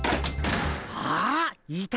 あっいた！